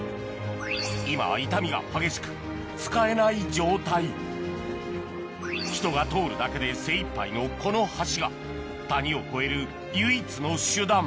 今は傷みが激しく使えない状態人が通るだけで精いっぱいのこの橋が谷を越える唯一の手段